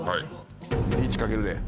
リーチかけるで。